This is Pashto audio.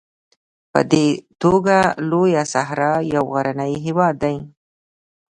په دې توګه لویه صحرا یو غرنی هېواد دی.